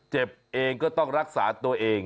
เจ็บเองก็ต้องรักษาตัวเอง